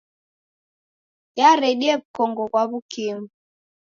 Yaredie w'ukongo ghwa W'ukimwi.